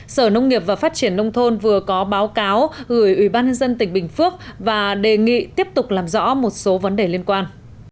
sở nông nghiệp và phát triển nông thôn vừa có báo cáo gửi ubnd tỉnh bình phước và đề nghị tiếp tục làm rõ một số vấn đề liên quan